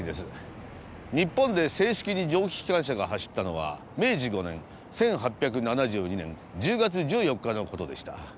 日本で正式に蒸気機関車が走ったのは明治５年１８７２年１０月１４日の事でした。